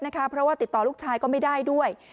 เพราะว่าติดต่อลูกชายก็ไม่ได้ด้วย